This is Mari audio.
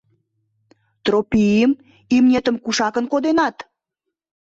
— Тропим, имнетым кушакын коденат?